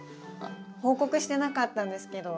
報告してなかったんですけど。